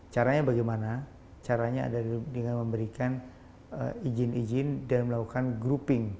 caranya bagaimana caranya ada lebih dengan memberikan izin izin dan melakukan grouping